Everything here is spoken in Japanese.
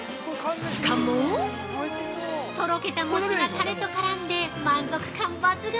しかも、とろけた餅がタレと絡んで、満足感抜群。